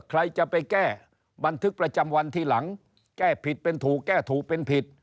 ใครจะไปแก้บันทึกประจำวันที่หลังแก้ผิดเป็นถูกแก้ถูกเป็นผิด